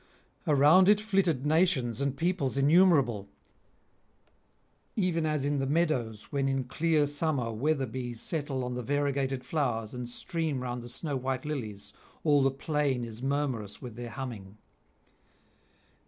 Around it flitted nations and peoples innumerable; even as in the meadows when in clear summer weather bees settle on the variegated flowers and stream round the snow white [709 742]lilies, all the plain is murmurous with their humming.